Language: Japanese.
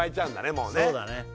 もうねそうだね